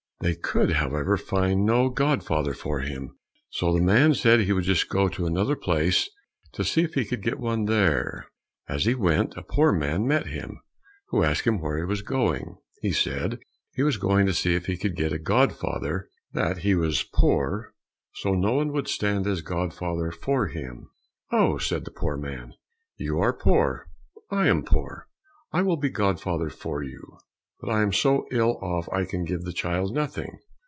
They could, however, find no godfather for him, so the man said he would just go to another place to see if he could get one there. As he went, a poor man met him, who asked him where he was going. He said he was going to see if he could get a godfather, that he was poor, so no one would stand as godfather for him. "Oh," said the poor man, "you are poor, and I am poor; I will be godfather for you, but I am so ill off I can give the child nothing.